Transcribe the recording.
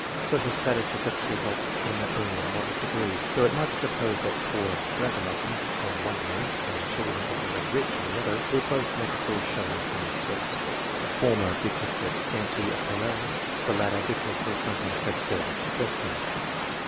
Social status af fects the results in only a moderate degree, though it might be supposed that poor ragamuffins, on the one hand, and children of the very rich, on the other, would both make a poor showing in this test; the former because of TEST NO. VH, 5 199 their scanty apparel, the latter because they sometimes have servants to dress them.